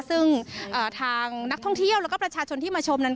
ซึ่งทางนักท่องเที่ยวแล้วก็ประชาชนที่มาชมนั้น